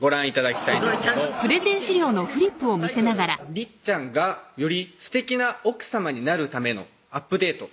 「りっちゃんがより素敵な奥様になる為のアップデート」